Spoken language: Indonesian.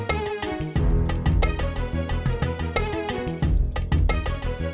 adakah kalian berdua keine